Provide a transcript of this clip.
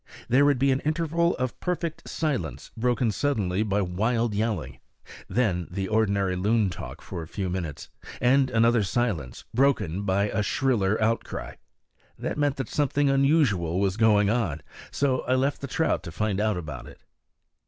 There would be an interval of perfect silence, broken suddenly by wild yelling; then the ordinary loon talk for a few minutes, and another silence, broken by a shriller outcry. That meant that something unusual was going on, so I left the trout, to find out about it.